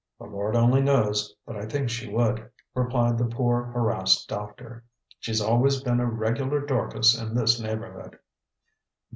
"The Lord only knows, but I think she would," replied the poor, harassed doctor. "She's always been a regular Dorcas in this neighborhood."